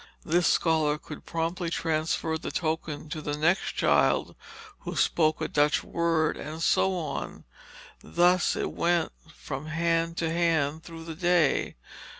This scholar could promptly transfer the token to the next child who spoke a Dutch word, and so on; thus it went from hand to hand through the day.